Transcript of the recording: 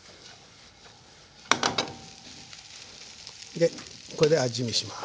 でこれで味見します。